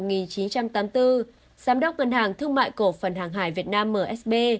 giám đốc ngân hàng thương mại cổ phần hàng hải việt nam msb